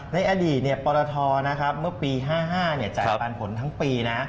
ในอดีตปลาตทอทนะครับเมื่อปี๑๙๕๕จ่ายปันผลทั้งปีนะ